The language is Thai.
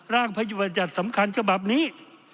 ร่างพยาบาลจัดสำคัญจบับนี้